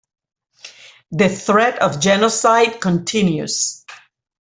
The threat of genocide continues.